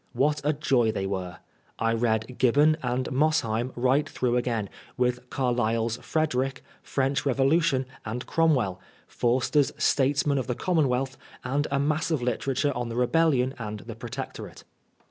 What a joy they were! I read Gibbon and Mosheim right throngh again, with Cariyle's "Frederick," "French Revolution " and " Cromwell," Forster's " Statesmen of the Commonwealth," and a mass of literature on the Rebellion and the Protectorate.